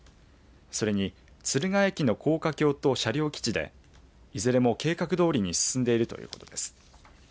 それに敦賀駅の高架橋と車両基地でいずれも計画どおりに進んでいるということです。